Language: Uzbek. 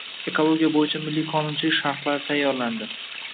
Ekologiya bo‘yicha milliy qonunchilik sharhlari tayyorlandi